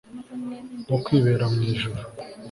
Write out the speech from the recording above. nko kwibera mwi juru